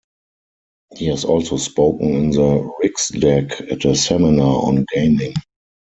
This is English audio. He has also spoken in the Riksdag at a seminar on gaming.